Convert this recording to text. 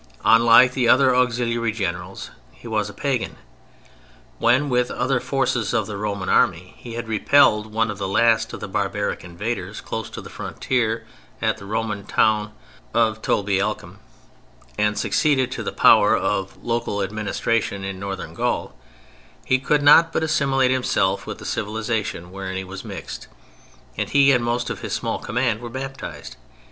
Unlike the other auxiliary generals he was pagan. When with other forces of the Roman Army, he had repelled one of the last of the barbaric invaders close to the frontier at the Roman town of Tolbiacum, and succeeded to the power of local administration in Northern Gaul, he could not but assimilate himself with the civilization wherein he was mixed, and he and most of his small command were baptized.